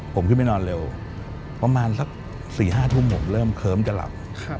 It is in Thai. ผมขึ้นไปนอนเร็วประมาณสัก๔๕ทุ่มผมเริ่มเคิ้มจะหลับ